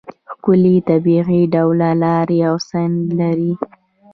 ښکلې طبیعي ډوله لارې او سیند لري.